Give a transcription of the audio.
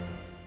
ya kan panji